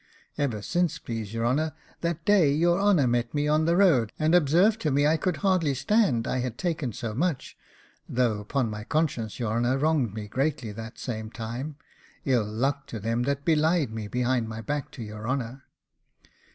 Ever since, please your honour, the day your honour met me on the road, and observed to me I could hardly stand, I had taken so much; though upon my conscience your honour wronged me greatly that same time ill luck to them that belied me behind my back to your honour!